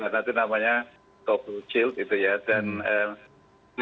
dia di mana itu namanya